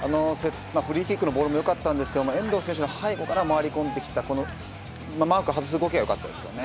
フリーキックのボールも良かったんですが遠藤選手の背後から回り込んできたマークを外す動きが良かったですね。